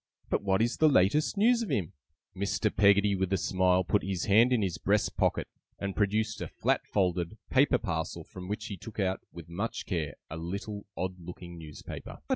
But what is the latest news of him?' Mr. Peggotty, with a smile, put his hand in his breast pocket, and produced a flat folded, paper parcel, from which he took out, with much care, a little odd looking newspaper.